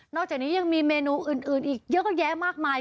จากนี้ยังมีเมนูอื่นอีกเยอะแยะมากมาย